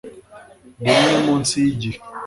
rimwe munsi yigihe